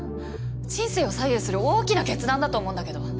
人生を左右する大きな決断だと思うんだけど。